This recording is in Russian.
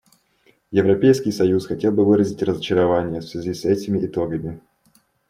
Европейский союз хотел бы выразить разочарование в связи с этими итогами.